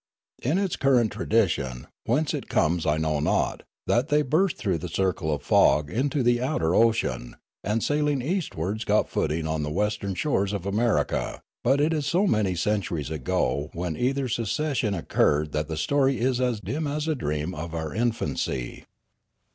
It is the current tradition, whence it comes I know not, that they burst through the circle of fog into the outer ocean, and sailing eastwards got footing on the western shores of America ; but it is so many centuries ago when either secession occurred that the story is as dim as a dream of our infancy.